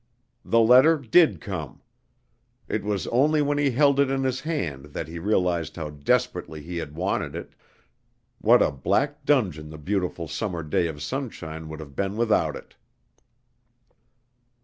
The letter did come. It was only when he held it in his hand that he realized how desperately he had wanted it, what a black dungeon the beautiful summer day of sunshine would have been without it.